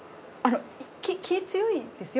気強いんですよ。